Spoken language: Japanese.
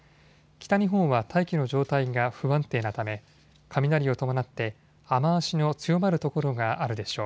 北日本は大気の状態が不安定なため雷を伴って雨足の強まる所があるでしょう。